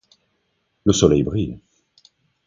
Le soleil brille.